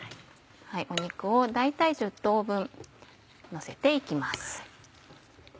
肉を大体１０等分のせて行きます。